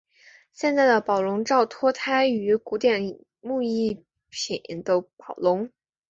现在的宝龙罩脱胎于古典木艺品的宝笼。